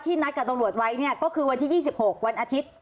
นัดกับตำรวจไว้เนี่ยก็คือวันที่๒๖วันอาทิตย์